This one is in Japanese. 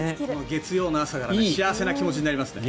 月曜日の朝から幸せな気持ちになりますね。